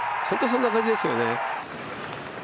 本当にそんな感じですよね。